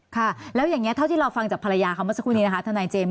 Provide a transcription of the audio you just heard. ค่ะแล้วอย่างนี้เท่าที่เราฟังจากภรรยาเขาเมื่อสักครู่นี้นะคะทนายเจมส